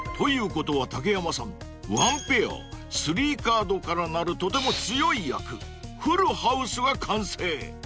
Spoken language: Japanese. ことは竹山さんワンペアスリーカードからなるとても強い役フルハウスが完成］